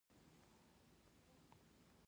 هغه د خلکو لپاره د الهام سرچینه وه.